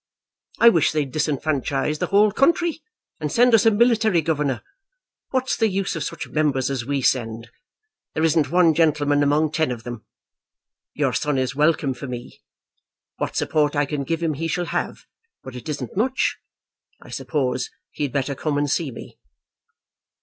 I wish they'd disenfranchise the whole country, and send us a military governor. What's the use of such members as we send? There isn't one gentleman among ten of them. Your son is welcome for me. What support I can give him he shall have, but it isn't much. I suppose he had better come and see me."